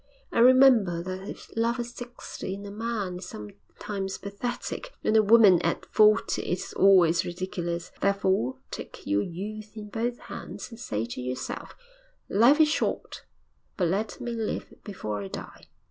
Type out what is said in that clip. And remember that if love at sixty in a man is sometimes pathetic, in a woman at forty it is always ridiculous. Therefore, take your youth in both hands and say to yourself, "Life is short, but let me live before I die!"